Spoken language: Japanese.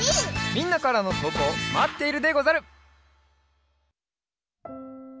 みんなからのとうこうまっているでござる！